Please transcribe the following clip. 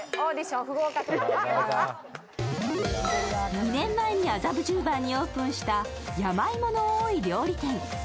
２年前に麻布十番にオープンした山芋の多い料理店。